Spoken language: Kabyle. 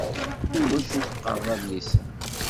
Iwacu teqqareḍ adlis a?